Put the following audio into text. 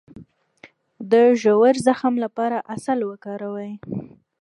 د ژور زخم لپاره عسل وکاروئ